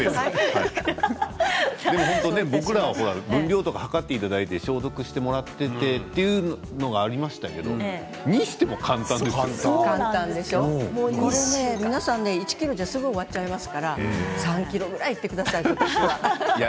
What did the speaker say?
僕ら分量とか測っていただいて消毒してもらってというのがありましたけど皆さん１ｋｇじゃすぐ終わっちゃいますから３ｋｇぐらいいってください。